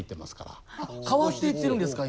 変わっていってるんですか今。